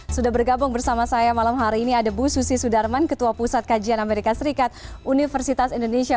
sudah bergabung bersama saya malam hari ini ada bu susi sudarman ketua pusat kajian amerika serikat universitas indonesia